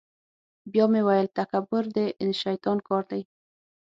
بیا مې ویل تکبر د شیطان کار دی.